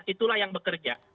itulah yang bekerja